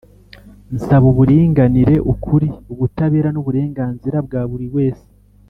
nsaba uburinganire ,ukuri, ubutabera n'uburenganzira bwa buri wese,